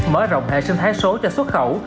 mở rộng hệ sinh thái số cho xuất khẩu